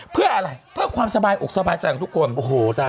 เพื่ออะไรเพื่อความสบายอกสบายใจของทุกคนโอ้โหได้